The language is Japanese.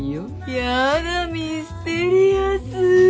やだミステリアス。